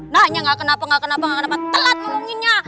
nanya enggak kenapa kenapa telat ngomonginnya